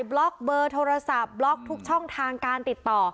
ล็อกเบอร์โทรศัพท์บล็อกทุกช่องทางการติดต่อ